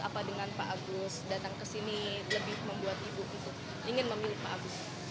apa dengan pak agus datang ke sini lebih membuat ibu gitu ingin memilih pak agus